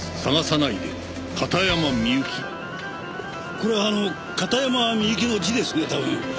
これ片山みゆきの字ですね多分。